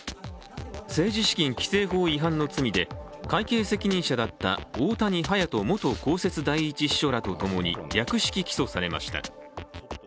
政治資金規正法違反の罪で会計責任者だった大谷勇人元公設第１秘書らとともに略式起訴されました。